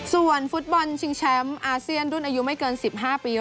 ส่วนฟุตบอลชิงแชมป์อาเซียนรุ่นอายุไม่เกิน๑๕ปี